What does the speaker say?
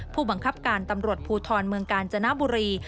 ผู้บังคับการตำรวจภูทรเมืองกาญจนบุรี